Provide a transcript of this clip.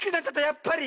やっぱり。